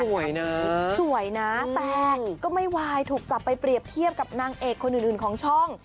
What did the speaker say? สวยนะแต่ก็ไม่วายถูกจับไปเปรียบเทียบกับนางเอกคนอื่นของช่อง